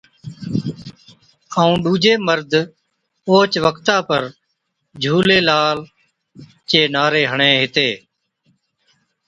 ائُون ڏُوجي مرد اوهچ وقتا پر ”جھُولي لالا“ چي نعري ھَڻي ھِتي